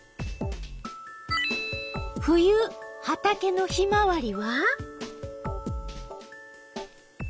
冬畑のヒマワリは？